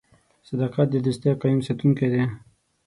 • صداقت د دوستۍ قایم ساتونکی دی.